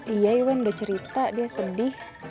iya iwan udah cerita dia sedih